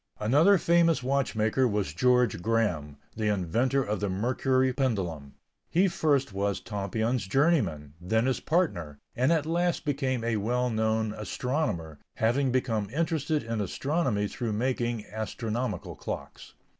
Another famous watchmaker was George Graham, the inventor of the mercury pendulum. He first was Tompion's journeyman, then his partner, and at last became a well known astronomer, having become interested in astronomy through making astronomical clocks.